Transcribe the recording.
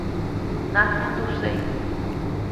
¡Nahenduséi!